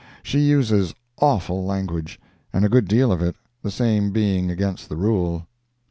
She uses "awful" language, and a good deal of it, the same being against the rule.